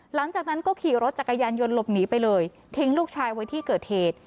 หลังจากนั้นก็ขี่รถจักรยานยนต์หลบหนีไปเลยทิ้งลูกชายไว้ที่เกิดเหตุ